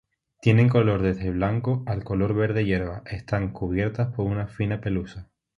Tienen color desde blanco al color verde hierba, están cubiertas por una fina pelusa.